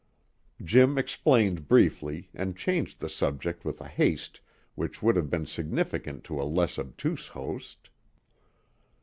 Jim explained briefly, and changed the subject with a haste which would have been significant to a less obtuse host.